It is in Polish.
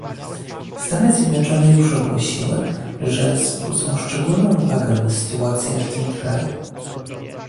Stany Zjednoczone już ogłosiły, że zwrócą szczególną uwagę na sytuację w tym kraju